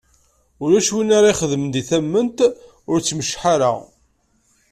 Ulac win ara ixedmen deg tament ur tt-yemciḥ ara.